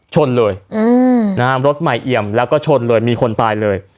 ชนเลยนะฮะรถใหม่เอี่ยมแล้วก็ชนเลยมีคนตายเลย